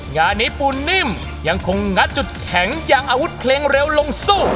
งานนี้ปูนิ่มยังคงงัดจุดแข็งอย่างอาวุธเพลงเร็วลงสู้